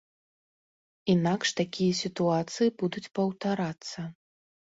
Інакш такія сітуацыі будуць паўтарацца.